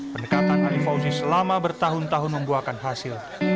pendekatan ali fauzi selama bertahun tahun membuahkan hasil